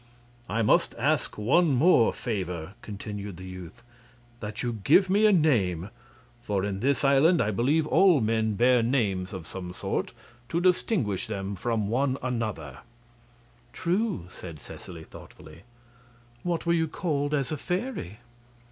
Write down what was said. "I must ask one more favor," continued the youth: "that you give me a name; for in this island I believe all men bear names of some sort, to distinguish them one from another." "True," said Seseley, thoughtfully. "What were you called as a fairy?"